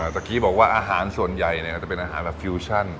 เมื่อกี้บอกว่าอาหารส่วนใหญ่ก็จะเป็นอาหารแบบฟิวชั่น